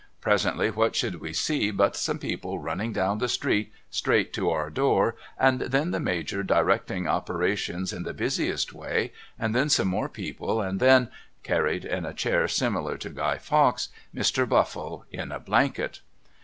Presently what should we see but some people running down the street straight to our door, and then the Major directing operations in the busiest way, and then some more peoj)Ie and then — carried in a chair similar to Guy Fawkes — Mr. liuttie in a blanket